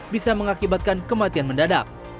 bisa mengakibatkan kematian mendadak